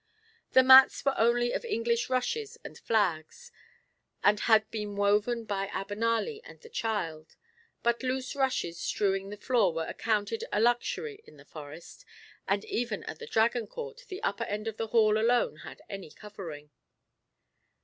The mats were only of English rushes and flags, and had been woven by Abenali and the child; but loose rushes strewing the floor were accounted a luxury in the Forest, and even at the Dragon court the upper end of the hall alone had any covering.